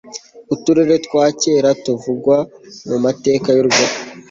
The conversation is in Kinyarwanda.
uturere twa kera tuvugwa mu mateka y u